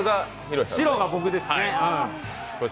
白が僕ですね。